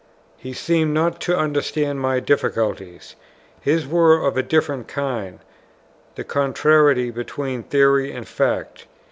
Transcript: He seemed not to understand my difficulties. His were of a different kind, the contrariety between theory and fact.